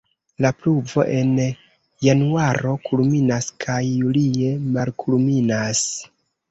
La pluvo en januaro kulminas kaj julie malkulminas.